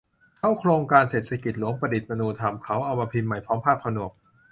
เค้าโครงการเศรษฐกิจ หลวงประดิษฐ์มนูธรรม - เขาเอามาพิมพ์ใหม่พร้อมภาคผนวก